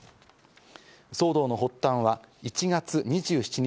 騒動の発端は１月２７日